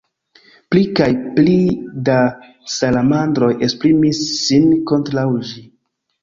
Pli kaj pli da salamandroj esprimis sin kontraŭ ĝi.